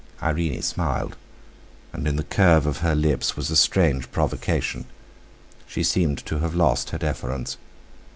Irene smiled; and in the curve of her lips was a strange provocation. She seemed to have lost her deference.